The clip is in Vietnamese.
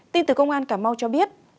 tin từ công an cảm mau cho biết